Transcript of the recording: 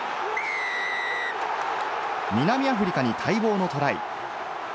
南アフリカに待望のトライ。